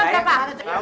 bapak bapak berapa